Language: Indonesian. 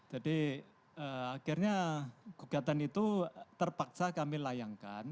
akhirnya gugatan itu terpaksa kami layangkan